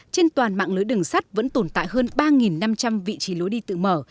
trên toàn mạng lưới đường sắt vẫn tồn tại hơn ba năm trăm linh vị trí lối đi tự mở